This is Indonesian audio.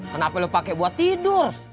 kenapa lo pakai buat tidur